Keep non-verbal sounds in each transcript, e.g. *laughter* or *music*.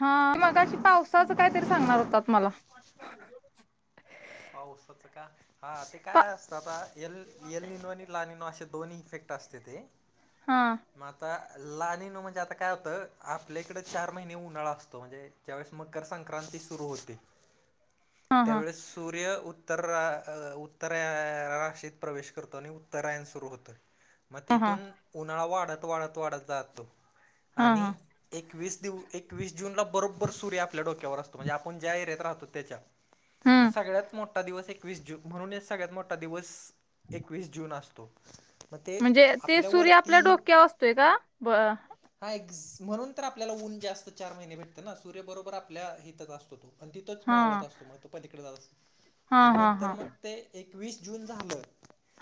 हा मगाशी पावसाचं कायतरी सांगणार होतात मला. पावसाचं का, का हा ते पा काय असतं आता. येल येल निनोनी *unintelligible* असे दोनही इफेक्ट असते ते. हा. मग आता लाणीन म्हणजे आता काय होतं, आपल्याकडे चार महिने उन्हाळा असतो म्हणजे ज्यावेळेस मकर संक्रांती सुरू होते *inaudible* त्यावेळेस सूर्य उत्तर रा उत्तरा राशीत प्रवेश करतो आणि उत्तरायण सुरू हो तो. मग हा हा तेथून उन्हाळा वाढत वाढत वाढत जातो हा आणि हा एकवीस दिव एकवीस जूनला बरोबर सूर्य आपल्या डोक्यावर असतो, म्हणजे आपण ज्या एरियात राहतो त्याच्या. मग हम्म सगळ्यात मोठा दिवस एकवीस जून, म्हणून एक सगळ्यात मोठा दिवस एकवीस जून असतो. मग ते म्हणजे ते सूर्य आपल्यावरती आपल्या डोक्यावर असतोय का? बर. हा एक म्हणून तर आपल्याला ऊन जास्त चार महिने भेटत ना, सूर्य बरोबर आपल्या हितच असतो तो. आणि तिथंच मावळत असतो मग तो पलीकडे हा जरासं आणि हा नंतर हा मग ते एकवीस जून झालं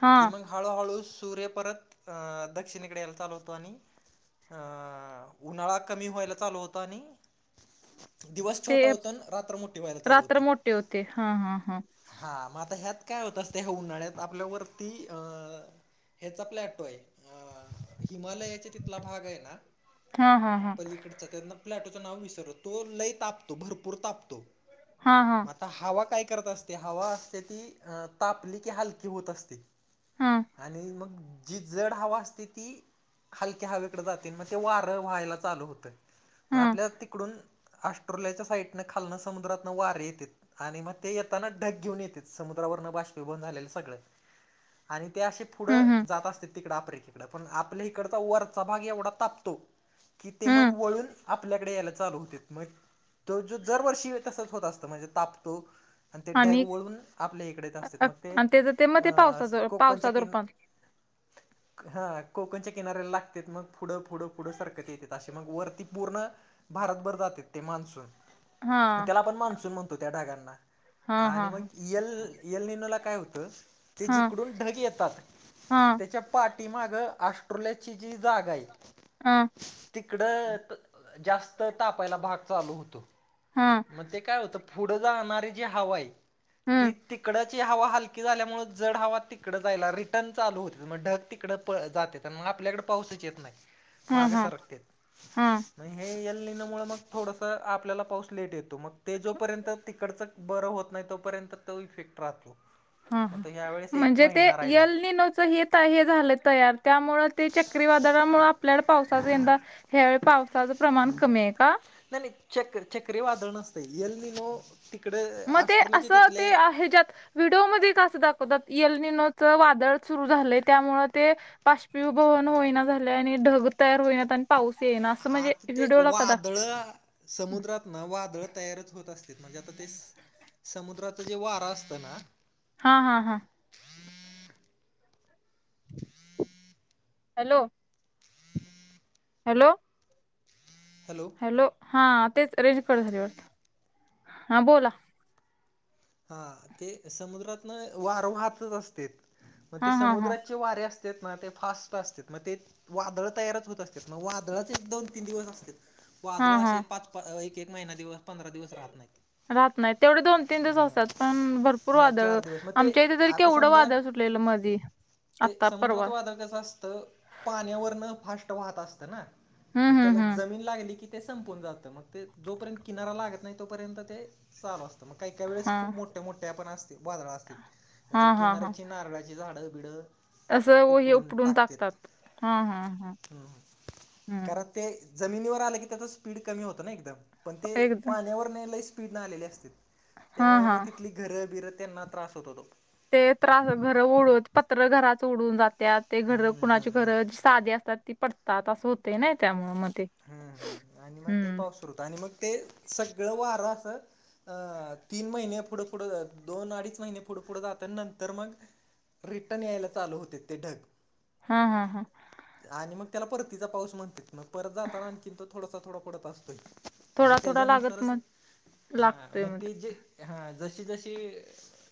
हा की मग हळूहळू सूर्य परत दक्षिणेकडे यायला चालू होतो आणि अ उन्हाळा कमी व्हायला चालू होतो आणि दिवस ते छोटा होता आण रात्र मोठी व्हायला चालू रात्र होते. मोठे होते हा हा हा. हा मग आता ह्यात काय होत असतंय, ह्या उन्हाळ्यात आपल्यावरती अं हेचा प्लॅटो हाय, हिमालयाचे तिथला भाग आहे ना हा हा हा. त्यांतन प्लॅटो नाव विसर तो लई तापतो भरपूर तापतो. हा हा. मग आता हवा काय करत असते हवा असते ती अ तापली की हलकी होत असते. हा आणि मग द जड हवा असते ती हलक्या हवेकडे जाते मग ते वारं व्हायला चालू होतं. मग हम्म आपल्या तिकडून ऑस्ट्रोलियाच्या साईडनं खालनं समुद्रातन वार येतेत. आणि मग ते येताना ढग घेऊन येतेत समुद्रावरन बाष्पीभवन झालेले सगळं. आणि ते असे पुढं हम्म जात असतेत तिकडं आफ्रिके पण आपल्या इकडचा वरचा भाग एवढा तापतो की ते मग हम्म वळून आप आपल्याकडे यायला चालू होतेत मग तो जो जरवर्षी तसंच होतो असतो म्हणजे तापतो. आणि ते ढग वळून आपल्या इकड येत असतेत अ- मग ते आणि त्याच ते मग अ ते पावसाचं कोकणच्या पावसाच किन *inaudible* हा कोकणच्या किनाऱ्याला लागतेत मग पुढं पुुढं पुढं सरकत येतेत असे मग वरती पूर्ण भारतभर जातेत ते मान्सून. हा त्याला आपण मान्सून म्हणतो त्या ढागांना हा हा आणि मग हा यल येलनीलला काय होतं ते हा जिकडून ढग येतात हा त्याच्या पाठीमागं ऑस्ट्रोलिया ची जी जागा आहे हा. तिकडं त जास्त तापायला भाग चालू होतो. हा मग ते काय होतं पुढं जाणारी जी हवा आहे ती हम्म तिकडची हवा हलकी झाल्यामुळं जड हवा तिकडं जायला रिटर्न चालू होते मग ढग तिकडं जातेत आणि मग आपल्याकडं पाऊसचं येत नाही हा माग हा सरकतेत. हा मग हे एललिनमुळं मग थोडसं आपल्याला पाऊस लेट येतो मग ते जो जोपर्यंत तिकडच बरं होत नाही तोपर्यंत तो इफेक्ट राहतो. हा मग हा. तो ह्या वेळेस एक म्हणजे ते महिना राहिला यललीनोचं हे त हे झालं तयार त्यामुळं ते चक्रीवादळामुळं आप आपल्याला पावसाचा यंदा ह्यावेळी पावसाचं प्रमाण कमी आहे का? चक्र चक्रीवादळ नसतयं एललिनो मग ते असं ते आ ह्यज्यात व्हिडिओमध्ये का असं दाखवतात एललिनोच वादळ सुरू झालंय त्यामुळ ते पाश्पिभवन होईना झालय आणि ढग तयार होईनात आणि पाऊस येईना असं म्हणजे व्हिडिओला का दाख कळ आ समुद्रात ना वादळ तयारच होत असतेत म्हणजे आता ते स समुद्राचा जे वार असत ना हा हा हा. हॅलो. हॅलो. हॅलो. हॅलो हा तेच रेंज कट झाली वाटतं हा बोला. हा ते समुद्रातनं वारं वाहतच असतेत मग ते हा हा हा समुद्राचे वारे अस म ते फास्ट असतेत मग ते वादळ तयारच होत असतेत मग वादळच एक दोन तीन दिवस असतेत. वादळ हा हा असे पाच पा एक एक महिना दिवस पंधरा दिवस राहत नाहीत. राहत नाहीत तेवढे दोन न त असतात पण भरपूर हा वादळ चार दिवस मग ते आमच्या इथे तरी आता केवढं समजा वादळ सुटलेलं मधी. ते आत्ता. परवा समुद्रात वादळ कसं अस तर पाण्यावरण फास्ट वाहत असत ना हम्म त्याला हम्म हम्म जमीन लागली की. संपून जात मग ते जोपर्यंत किनारा लागत नाही तोपर्यंत ते चालू असतं मग काही त्यावेळेस हा खूप मोठ्या मोठ्या पण असतेत वादळं असतेत म्हणजे हा हा हा किनाऱ्याची नारळाची झाडं बिडं असं व- हे उकडून उपडून टाकतात टाकतेत हा हा हा ह‌‍‌‌म्म हं हम्म कर‌त ते जमिनीवर आलं की त्याचा स्पीड कमी होतो ना एकदम पण ते एकदम पाण्यावरनं लई स्पि स्पीड न आलेली असते हा त्यामुळे हा मग तिथली घरं बिरं त्यांना त्रास होत होतो. ते त्रास घर ओढून पत्र घरााच ओढून जातात ते घर कुणाची घर साधे असतात ती पडतात असं होते नाही त्यामु म ते हम्म करृत आणि मग ते सगळं वारं अस अं तीन महिने पुढे पुढे दोन अडीच महिने पुढे पुढे जात नंतर मग रिटर्न यायला चालू होते ते ढग. हा हा हा आणि मग त्याला परतीचा पाऊस म्हणते मग परत जाताना आणखीन तो थोडासा थोडा पडत असतोय. म थोडा थोडा तेज्याच लागत नुसारच मग हा मग ते जे हां जशी जशी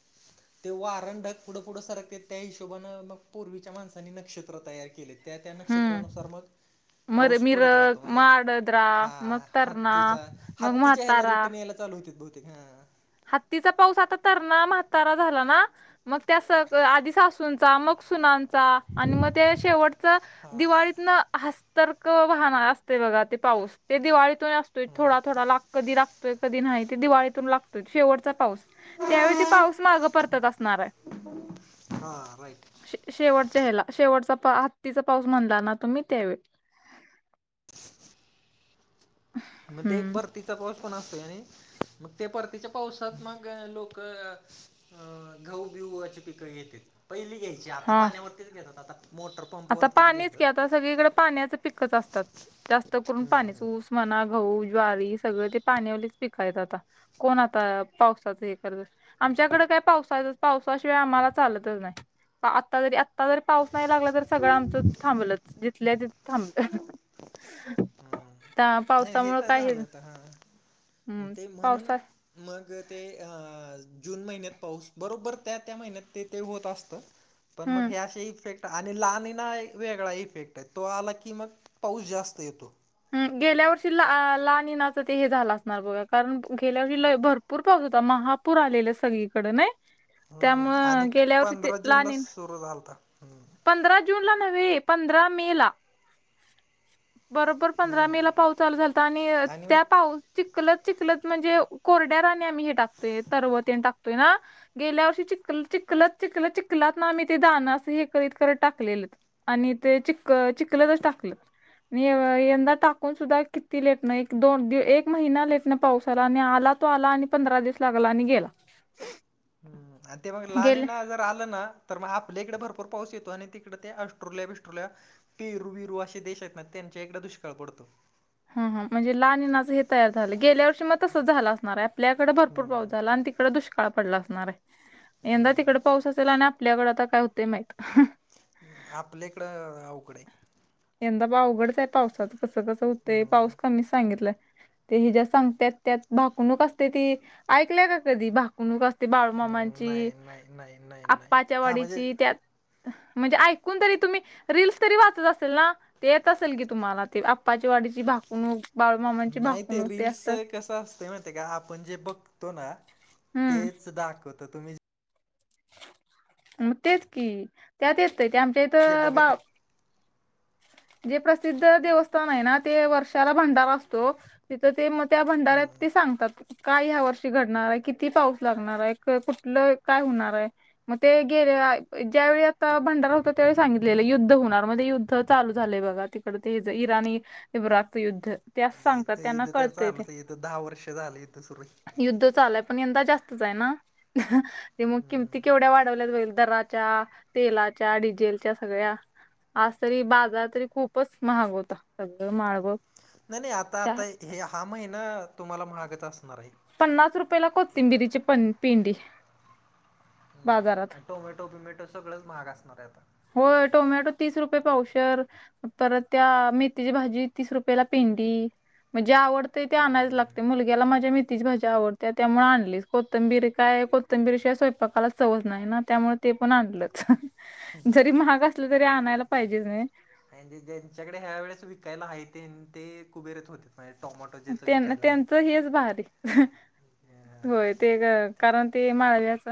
*inaudible* तेव्हा वारं आणि ढग पुढं पुढं सरकतेत त्या हिशोबाानने मग पूर्वीच्या माणसनी नक्षत्र तयार केलेत. त्या त्या हम्म नक्षत्रेकनुसार मग मर पाऊस पडत मिरग राहतो मग म्हणजे आडद्रा हा मग तरणा हत्तीचा मग हत्तीच्या ह्याला म्हातारा रिटर्न याला चालू होतेत बहुतेक हा हत्तीचा पाऊस आता तरणा म्हातारा झाला ना. मग त्या स आधी सासूचा मग सुनाचा आणि मग त्या शेवट हा दिवाळीत ना हस्तर्क वाहणार असते ग ते पाऊस ते दिवाळीतून. असतोय थोडा थोडा ला कधी लागतोय कधी नाही ते दिवाळीतून लागतोय शेवटचा पाऊस त्यावेळी त पाऊस माग पडत असणार हाय हा राईट शेव शेवटच्या ह्याला शेवटचा हत्तीचा पाऊस म्हणला ना तुम्ही त्यावेळी मते पर हम्म परतीचा पाऊस पण असतोय आणि मग ते परतीच्या पावसात मग लोक अं गहू बिहूची पिकं येते पहिली घ्यायची आता हा पाण्यावरतीच घेतात आता मोटर पंप आता वरतीच पाणीच की आता घेतात सगळीकडे पाण्याच पिकच असतात जास्त करून हम्म पाणीच ऊस. मना गहू ज्वारी सगळं ते पाण्या वलीच पिकायेत आता. कोण आता पावसाचे हे करल आमच्याकडे काय पावसाळ्यात पावसाशीवाय आम्हाला चालतच नाही. आता जरी आता जरी पाऊस नाही लागला तर सगळे आमचं इथल थांबलेच जिथलं तिथ थांबलं. त्या नाही पावसामुळे तर काय हे झालं आता हा हम्म ते म्हणून पावसात. मग ते अ जून महिन्यात पाऊस बरोबर त्या त्या महिन्यात ते ते होत असतं. पण मग हम्म हे अशी इफेक्ट आणि लाणीना एक वेगळा इफेक्ट तो आला की मग पाऊस जास्त येतो. हम्म गेल्या वर्षी ला लाणी नाच ते हे झालं असणार बघा कारण गेल्याविल्य भरप पूर पाऊस होता महापूर आलेले सगळीकड नाय? हो आणि पंधरा जून ला लानिन सुरू झालता हम्म पंधरा जून ला नव्हे पंधरा मे ला बरोब पंधरा मे ला पाऊस चालू झाल आणि त्या पाऊस चिकलत चिकलत म्हणजे कोरड्या राण्याणी हे टाकतेय तरवतेन टाकतेय ना. गेल्या वर्षी चिखल चिखलत चिखल चिखलत ना मी ते दणं असं हे करत करत टाकलेलेत. आणि ते चिखल चिखलच टाकल निव आ यंदा टाकून सुद्धा किती लेट एक दोन एक महिना लेटन पाऊसआला आणि आला तो आला आणि पंधरा दिवस लागला आणि गेला. हम्म ते मग गेले लानीना जर आलं ना तर मग आपल्याकडे भरपूर पाऊस येतो तिकडे ते ऑस्ट्रोलिया बिस्ट्रोलिया पेरू बरू असे देश आहेत ना त्यांच्या एककड दुष्काळ पडतो. ह ह म्हणजे लाहण्याचं हे तयार झालं गेल्या वर्षी मग तसच झालं असणार आहे आपल्याकडे भरपूर पाऊस हम्म झाला आणि तिकडे दुष ष्काळ पडला असणार आहे यंदा तिकड पाऊस असेल आणि आपल्याकडे आता काय होते माहत. आपल्याकडं अवघड ये यंदा बा अवघडच आहे पावसाचं कसं कसं होतय हम्म, पाऊस कमीच सांगितलंय. ते हि ज्या सांगत त्यात भाकणूक असते ती ऐकल्याय का कधी भाकणूक असते. ते बाळूमामांची नाही नाही नाही नाही नाही आपपाच्या हां म्हणजे वाडीची त्यात. म्हणजे ऐकून तरी तुम्ही रीलस तरी वाचत असेल ना. ते येत असेल की तुम्हाला ते आप्पाची वाडीची भाकवणूक बाळूमामांची भाकवणूक ते असतात. कस असत माण का आपण जे बघतो ना हम्म तेच दाखवत तुम्ही जे म तेच कि त्यात येत ते आमच्या जे इथं बघत बा जे प्रसिद्ध देवस्थान आहे ना ते वर्षाला भंडार असतो. तिथं ते मग त्या भंडाऱ्यात ते सांगतात. काय ह्या वर्षी घडणार आहे किती पाऊस लागणार आहे कुठलं काय होणार आहे. मग ते गेले ज्यावेळी आता भंडारा होतो त्यावेळी सांगितलेलं युद्ध होणार म युद्ध चालू झालंय बघा तिकडडे ते इराणी इब्रक युद्ध. ते असं सांगतात युद्ध त्यांना युद्ध तर कळतंय ते चालूच आहे युद् दहा वर्ष झालं युद्ध सुरु हे युद्ध चालय पण यंदा जास्तच आहे ना ते मग किमती केवढ्या वाढवल्या जाईल दरात तेलाच्या डीझेलच्या सगळ्या आज तरी. बाजार तरी खूपच महाग होता सगळं माळव नाही नाही आता आता हे हा महिना तुम्हाला महागच असणार आहे. पन्नास रुपयाेला कोथिंबिरीची पण पिंडी हम्म. बाजारात. आणि टोमॅटो बिमॅटो सगळंच माग असणार आहे आता होय टोमॅटो तीस रुपये पावशर. तर त्या मेथीची भाजी तीस रुपयाला पेंडी म्हणजे आवड तथे आणायच लागते मुलग्याला माझ्या मित तीच भाजी आवडतेया त्यामुळे आणलीच कोथंबीरी काय कोथंबीरी शिवाय स्वयंपाकालाच सवज नाही ना त्यामुळ ते पण आणलंच जरी महाग असलं तरी आणायला पाहिजे नाही. आणिजे ज्यांच्याकडे ह्या वेळेस विकायला आहे ते ते कुबेरत होते. होय टोमॅटोत त्याना त्यांचं हेच भारी. अ, होय ते कारण ते माळल्याच.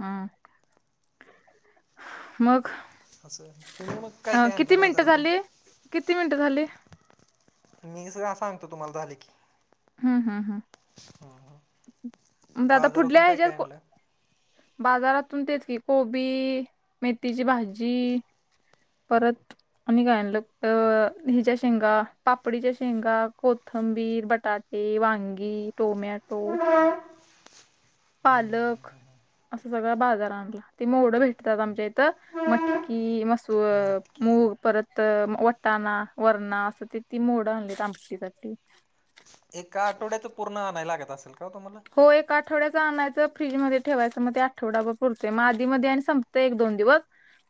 हम्म. मग असं तुम्ही मग काय अ काय किती आणलं मिनिटं बाजारातून झाली? किती मिनिटं झाली? मी स का सांगतो तुम्हाला झाले की. हम्म हम्म हम्म. हम्म. दादा पुढल्या हेज्यावर फो बाजारातून तेच की कोबी मेथीची भाजी. परत. आम्ही गायन ला हिच्या शेंगा पापडीच्या शेंगा कोथंबीर बटाट. ते वांगी टोमॅटो. पालक. असं सगळं बाजार आणला ते मोवढं भेटतात आमच्या इथं मटकी मस. सूर नक्की मूग परत तर वटाणा वरणा असं त ती मोड आणल आमटीसाठी. एका आठवड्याच पूर्ण नाही लागत असेल का ओ तुम्हाला? हो एक आठवड्याचं आणायचं फ्रीजमध्ये ठेवायचं मग ते आठवडा बर पुरते मग आधीमध्ये आणि संपतं एक दोन दिवस.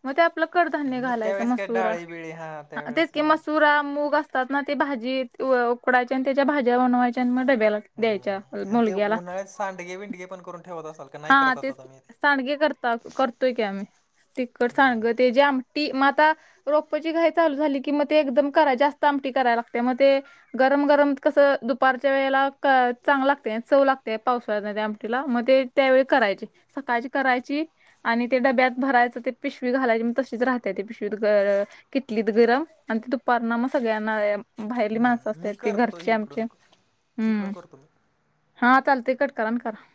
मग ते आपलं कडधान्य मी घालायचं त्यावेळेस काय मसुरा डाळी बिळी हा तेच त्यावेळेस क मसुरा मूग अस त ना ते भाजी उकडायच्या आणि त्याच्या भाज्या बनवायच्या आणि मग डब्याला द्यायच्या. हम्म आणि ते मुलग्याला उन्हाळ्यात सांडगे बिंडगे पण करून ठेवत असाल का नाही हा करत आता तेच तुम्ही ते सांडगे करता करतोय की आम्ही तिखट हम्म सांडग. ते जी आमटी म आता. रोपची घाई चालू झाली की मग ते एकदम करा जास्त आमटी करायला लागते मग ते. गरम गरम कसं दुपारच्या वेळेला चांग लागते चव लागते पावसाळ्या त्या आमटला मग ते. त्यावेळी करायची सकाळची करायची. आणि ते डब्यात भरायचं ते पिशवी घालायची म तशीच राहतेय ते पिशवीत गर किलीत गरम आणि त दुपारना मग सगळ्यांना. बाहेली माणसं हम्म मी असते ती करतो घरची आमची इकडून हम्म. इकडून करतो मी हा चाल ते कट करा ना खरा.